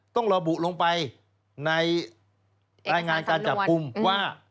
ต้องระบุลงไปในรายงานการจับกลุ่มว่า